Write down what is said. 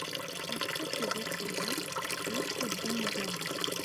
Yefka tudert-nnes i uḥuddu n ugama.